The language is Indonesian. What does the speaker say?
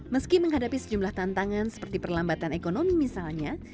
meski menghadapi sejumlah tantangan seperti perlambatan ekonomi misalnya